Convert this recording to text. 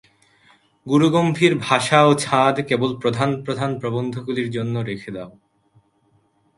গুরুগম্ভীর ভাষা ও ছাঁদ কেবল প্রধান প্রধান প্রবন্ধগুলির জন্য রেখে দাও।